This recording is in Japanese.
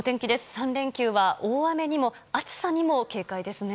３連休は大雨にも暑さにも警戒ですね。